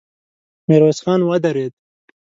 ميرويس خان ودرېد.